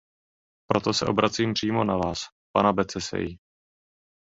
Proto se obracím přímo na vás, pana Becseyi.